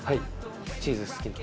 チーズ好きなの？